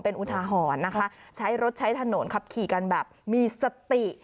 เป็นอุทาหรณ์นะคะใช้รถใช้ถนนขับขี่กันแบบมีสติ